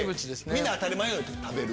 みんな当たり前のように食べる。